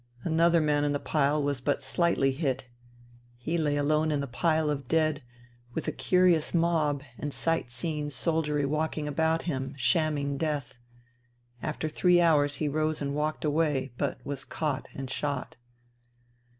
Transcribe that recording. Another man in the pile was but shghtly hit. He lay alone in the pile of dead, with a curious mob and sight seeing soldiery walking about him, shamming death. After three hours he rose and walked away, but was caught and shot."